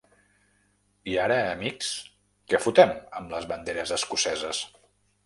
I ara, amics, què fotem amb les banderes escoceses?